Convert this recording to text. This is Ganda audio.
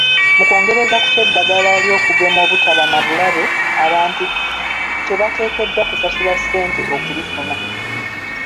Mu kwongereza ku ky'eddagala ly'okugema obutaba na bulabe, abantu tebateekeddwa kusasula ssente okulifuna.